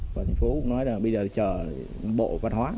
và thành phố cũng nói là bây giờ trở bộ văn hóa